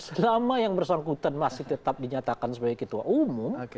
selama yang bersangkutan masih tetap dinyatakan sebagai ketua umum